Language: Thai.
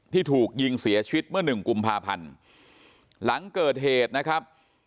ที่ถูกยิงเสียชีวิตเมื่อหนึ่งกุมภาพันธ์หลังเกิดเหตุนะครับ